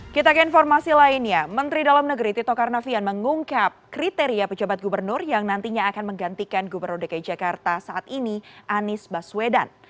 kita ke informasi lainnya menteri dalam negeri tito karnavian mengungkap kriteria pejabat gubernur yang nantinya akan menggantikan gubernur dki jakarta saat ini anies baswedan